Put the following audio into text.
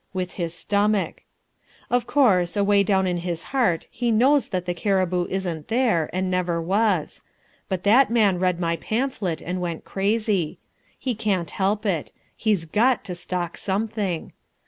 With his stomach. Of course, away down in his heart he knows that the cariboo isn't there and never was; but that man read my pamphlet and went crazy. He can't help it: he's GOT to stalk something.